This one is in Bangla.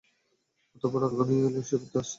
অতঃপর রাত ঘনিয়ে এলেই সে ফিরে আসত।